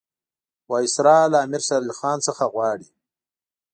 وایسرا له امیر شېر علي خان څخه غواړي.